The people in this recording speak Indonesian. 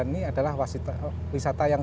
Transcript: ini adalah wisata yang